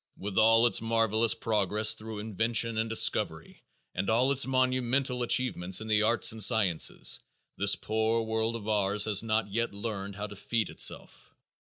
With all its marvelous progress through invention and discovery and all its monumental achievements in the arts and sciences, this poor world of ours has not yet learned how to feed itself.